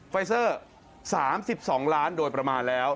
ไฟเซอร์๓๒ล้านโดยประมาณแล้ว